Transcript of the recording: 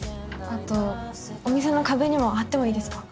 あとお店のかべにもはってもいいですか？